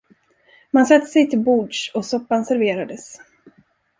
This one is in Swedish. Man satte sig till bords och soppan serverades.